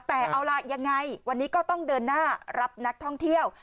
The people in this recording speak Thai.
แต่เอาล่ะยังไงวันนี้ก็ต้องเดินหน้ารับนักท่องเที่ยว